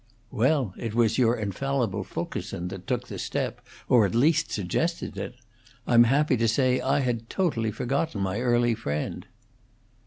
"Well, it was your infallible Fulkerson that took the step, or at least suggested it. I'm happy to say I had totally forgotten my early friend."